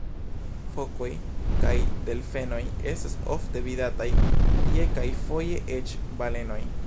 Fokoj kaj delfenoj estas ofte vidataj tie kaj foje eĉ balenoj.